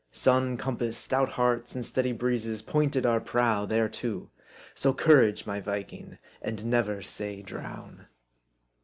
Sun, compass, stout hearts, and steady breezes, pointed our prow thereto. So courage ! my Viking, and never say drown